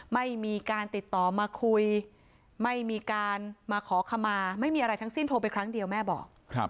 ไม่มีการติดต่อมาคุยไม่มีการมาขอขมาไม่มีอะไรทั้งสิ้นโทรไปครั้งเดียวแม่บอก